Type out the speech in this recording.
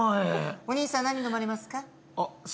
お兄さん、何飲まれますか？